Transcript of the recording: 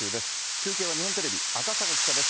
中継は日本テレビ、赤坂記者です。